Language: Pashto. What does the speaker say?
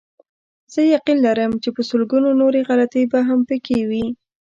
زه یقین لرم چې په لسګونو نورې غلطۍ به هم پکې وي.